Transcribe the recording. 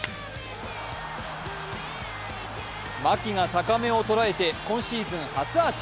牧が高めをとらえて、今シーズン初アーチ。